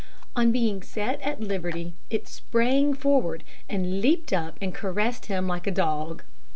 On being set at liberty, it sprang forward, and leaped up and caressed him like a dog.